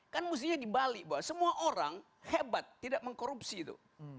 kan mestinya dibalik bahwa semua orang hebat tidak mengkorupsi itu